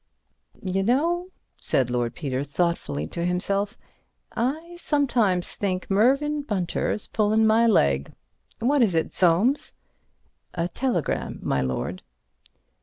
"Y'know," said Lord Peter thoughtfully to himself, "I sometimes think Mervyn Bunter's pullin' my leg. What is it, Soames?" "A telegram, my lord."